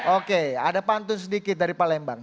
oke ada pantun sedikit dari pak lembang